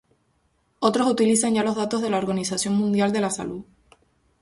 Otros utilizan ya los datos de la Organización Mundial de la Salud.